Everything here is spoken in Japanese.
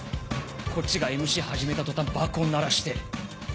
こっちがＭＣ始めた途端爆音鳴らして。